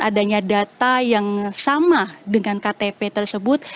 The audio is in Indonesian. atau penataan yang sama dengan ktp tersebut